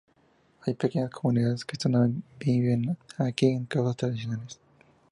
Hay pequeñas comunidades que aún viven aquí, en casas tradicionales.